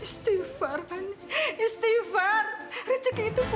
serah apa kata ibu